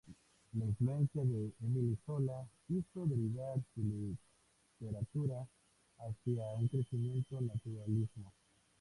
La influencia de Émile Zola hizo derivar su literatura hacia un creciente naturalismo.